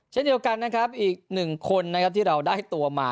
เช่นเดียวกันนะครับอีกหนึ่งคนนะครับที่เราได้ตัวมา